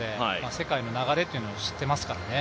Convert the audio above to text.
世界の流れというのを知ってますからね。